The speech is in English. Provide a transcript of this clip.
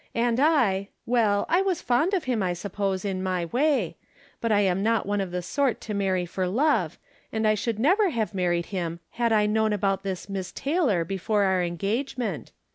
And I — well, I was fond of him, I suppose, in my way ; but I am not one of the sort to marry for love, and I should never have married him had I known about this Miss Taylor before our engagement.